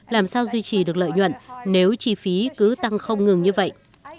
làm sao duy trì được lợi nhuận nếu chi phí cứ tăng không ngừng như vậy